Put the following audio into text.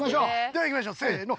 では行きましょうせの。